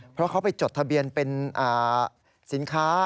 เพราะเขาไปจดทะเบียนเป็นสินค้า